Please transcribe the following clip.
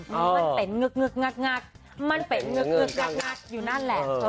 มันเป็นเงือกอยู่นั่นแหละ